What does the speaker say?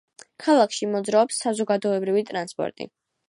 ქალაქში მოძრაობს საზოგადოებრივი ტრანსპორტი.